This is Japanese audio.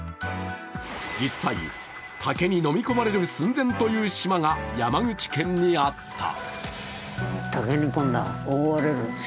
実際、竹に飲み込まれる寸前という島が山口県にあった。